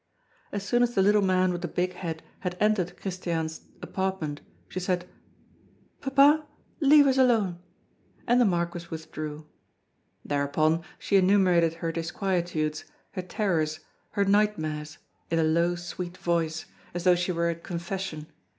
As soon as the little man with the big head had entered Christiane's apartment, she said: "Papa, leave us alone!" And the Marquis withdrew. Thereupon, she enumerated her disquietudes, her terrors, her nightmares, in a low, sweet voice, as though she were at confession.